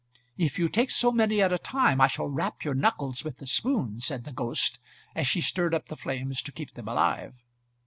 "If you take so many at a time I shall rap your knuckles with the spoon," said the ghost, as she stirred up the flames to keep them alive.